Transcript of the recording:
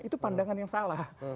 itu pandangan yang salah